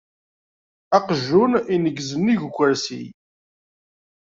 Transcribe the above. Aqjun ineggez-nnig ukersi.